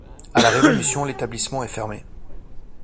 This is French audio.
A la Révolution, l'établissement est fermé.